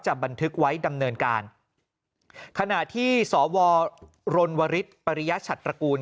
บันทึกไว้ดำเนินการขณะที่สวรรณวริสปริยชัตรกูล